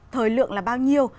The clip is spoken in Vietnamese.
thời lượng là bao nhiêu